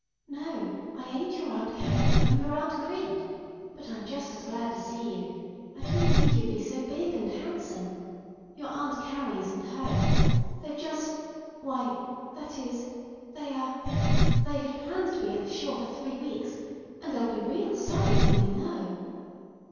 "No, I ain't your Aunt Carrie, I'm your Aunt Crete; but I'm just as glad to see you. I didn't think you'd be so big and handsome. Your Aunt Carrie isn't home. They've just—why—that is—they are—they had planned to be at the shore for three weeks, and they'll be real sorry when they know——."